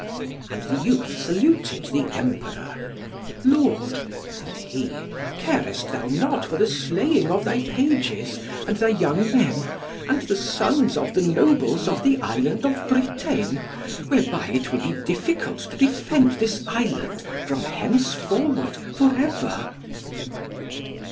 And the youth saluted the Emperor: "Lord," said he, "carest thou not for the slaying of thy pages, and thy young men, and the sons of the nobles of the Island of Britain, whereby it will be difficult to defend this Island from henceforward for ever?"